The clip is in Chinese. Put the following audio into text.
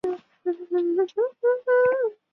侯爵领地现在隶属于皮埃蒙特大区。